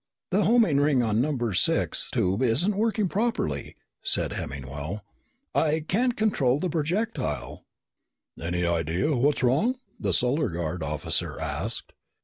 "The homing ring on number six tube isn't working properly," replied Hemmingwell. "I can't control the projectile." "Any idea what's wrong?" the Solar Guard officer asked.